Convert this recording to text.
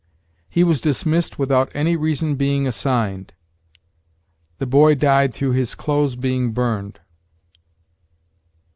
'He was dismissed without any reason being assigned.' 'The boy died through his clothes being burned.'